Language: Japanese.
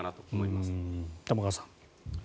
玉川さん。